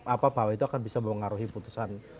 apa bahwa itu akan bisa mempengaruhi putusan